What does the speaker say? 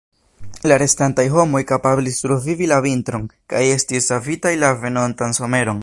La restantaj homoj kapablis survivi la vintron, kaj estis savitaj la venontan someron.